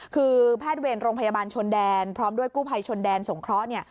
คือแพทย์เวรโรงพยาบาลชนแดนพร้อมด้วยกู้ภัยชนแดนสงเคราะห์